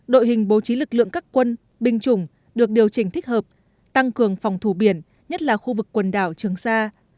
đội hình bố trí lực lượng các quân binh chủng được điều chỉnh thích hợp tăng cường phòng thủ biển nhất là khu vực quần đảo trường sa